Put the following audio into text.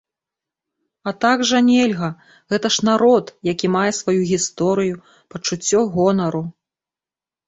А так жа нельга, гэта ж народ, які мае сваю гісторыю, пачуццё гонару.